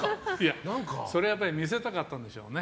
それは見せたかったんでしょうね。